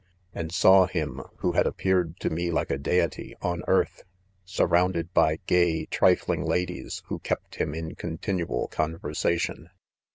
and saw him who had appeared to me like a deity, on earth, surrdunded toy gay, trifling ladies, who kept him in continual con versation.